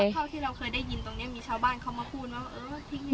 มีแม่ข้าวที่เราเคยได้ยินตรงนี้มีชาวบ้านเค้ามาพูดไหมว่าเออทิ้งอย่างนี้